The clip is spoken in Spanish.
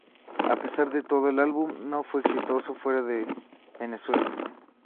A pesar de todo, el álbum no fue exitoso fuera de Venezuela.